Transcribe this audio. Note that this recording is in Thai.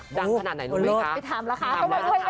ขนาดไหนรู้ไหมคะไม่ทำแล้วนะค่ะ